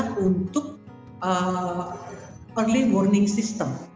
selain itu juga untuk early warning system